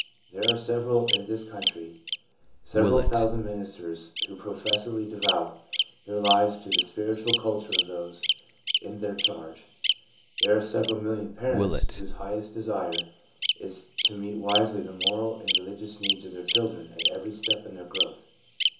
There are in this country several thousand ministers who professedly devote their lives to the spiritual culture of those in their charge ; there are several million parents, whose highest desire is to meet wisely the moral and religious needs of their children at every step in their growth.